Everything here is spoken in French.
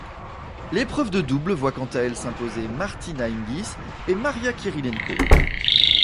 L'épreuve de double voit quant à elle s'imposer Martina Hingis et Maria Kirilenko.